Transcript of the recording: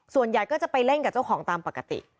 ส่วนใหญ่ก็จะไปเล่นกับเจ้าของตามปกติ